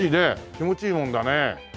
気持ちいいもんだね。